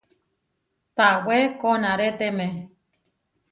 Tawé koʼnarétemé.